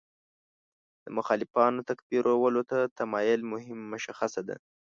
د مخالفانو تکفیرولو ته تمایل مهم مشخصه ده.